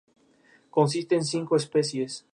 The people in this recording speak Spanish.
Consiste en cinco especies.